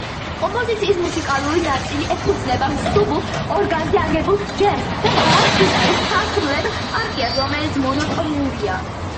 კომპოზიციის მუსიკალური ნაწილი ეფუძნება მსუბუქ, ორგანზე აგებულ ჯემს და ბას-გიტარის თანმხლებ პარტიას, რომელიც მონოტონურია.